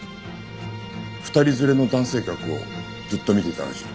２人連れの男性客をずっと見ていたらしい。